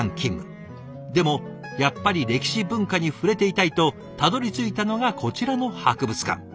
でもやっぱり歴史文化に触れていたいとたどりついたのがこちらの博物館。